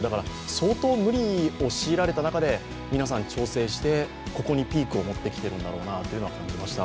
相当無理を強いられた中で皆さん調整してここにピークを持ってきてるんだろうなというのを感じました。